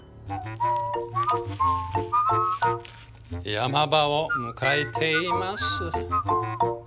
山場を迎えています。